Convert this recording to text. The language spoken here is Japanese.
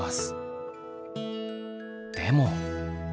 でも。